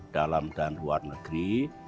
dalam dan luar negeri